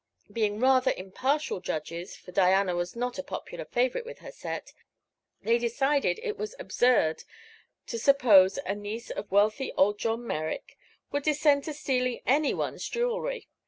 Being rather impartial judges for Diana was not a popular favorite with her set they decided it was absurd to suppose a niece of wealthy old John Merrick would descend to stealing any one's jewelry.